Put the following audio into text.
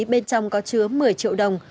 bên trong có chứa một mươi triệu đồng